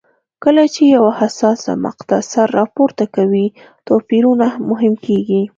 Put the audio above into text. کله چې یوه حساسه مقطعه سر راپورته کوي توپیرونه مهم کېږي.